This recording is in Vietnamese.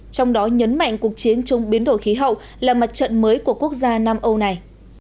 trong đó nhấn mạnh cuộc chiến chống biến đổi khí hậu là mặt trận mới của quốc gia nam âu này